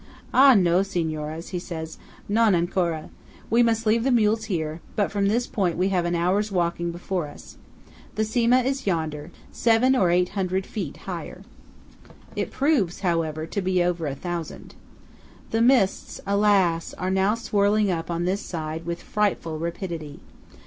"Ah, no, Signoras," he says. "Non ancora. We must leave the mules here; but from this point we have an hour's walking before us. The Cima is yonder–yonder; seven or eight hundred feet higher!" It proves, however, to be over a thousand. The mists, alas! are now swirling up on this side with frightful rapidity.